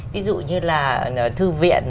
ví dụ như là thư viện